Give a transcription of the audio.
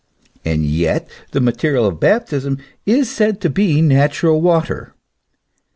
And yet the material of Baptism is said to be natural water.